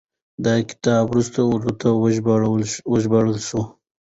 دا کتاب وروستو اردو ته وژباړل شو.